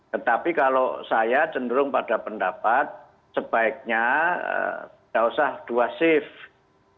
tetapi kalau saya cenderung pada pendapat sebaiknya tidak usah dua shift